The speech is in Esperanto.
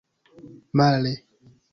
Male!